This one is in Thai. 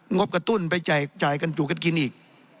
บกระตุ้นไปจ่ายกันจูบกันกินอีก